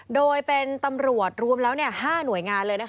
โดยเป็นตำรวจรวมแล้ว๕หน่วยงานเลย